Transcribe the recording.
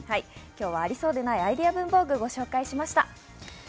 今日はありそうでないアイデア文房具を紹介しました。